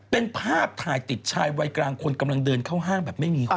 เป็นภาพถ่ายติดชายวัยกลางคนกำลังเดินเข้าห้างแบบไม่มีคน